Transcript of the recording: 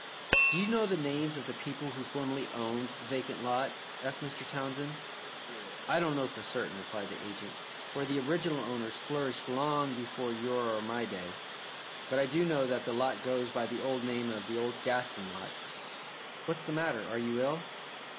"Do you know the names of the people who formerly owned the vacant lot?" asked Mr. Townsend. "I don't know for certain," replied the agent, "for the original owners flourished long before your or my day, but I do know that the lot goes by the name of the old Gaston lot. What's the matter? Are you ill?"